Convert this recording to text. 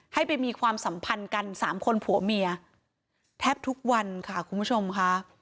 ให้ไปมีความสัมพันธ์กันสามคนผัวเมียแทบทุกวันค่ะคุณผู้ชมค่ะ